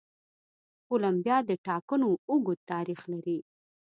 کولمبیا د ټاکنو اوږد تاریخ لري.